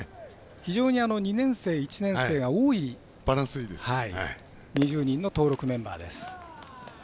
非常に２年生、１年生が多い２０人の登録メンバーです。